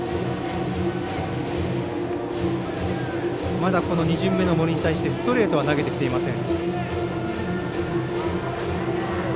まだ２巡目の森に対してストレートは投げていません。